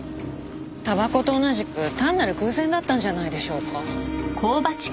タバコと同じく単なる偶然だったんじゃないでしょうか。